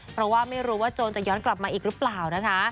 เพราะว่าไม่รู้ว่าโจรจะย้อนกลับมาอีกหรือเปล่านะคะ